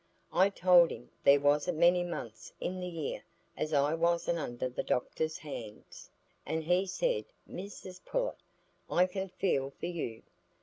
I told him there wasn't many months in the year as I wasn't under the doctor's hands. And he said, 'Mrs Pullet, I can feel for you.